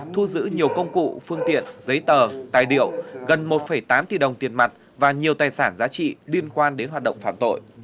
thu giữ nhiều công cụ phương tiện giấy tờ tài liệu gần một tám tỷ đồng tiền mặt và nhiều tài sản giá trị liên quan đến hoạt động phạm tội